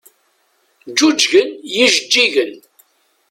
Ǧǧuǧgen yijeǧǧigen.